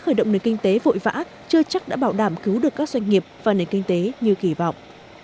khởi động nền kinh tế vội vã chưa chắc đã bảo đảm cứu được các doanh nghiệp và nền kinh tế như kỳ vọng